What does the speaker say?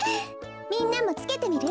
みんなもつけてみる？